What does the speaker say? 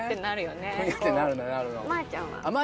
フニャってなるのなるの。